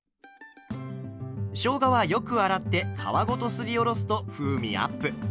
しょうがはよく洗って皮ごとすりおろすと風味アップ。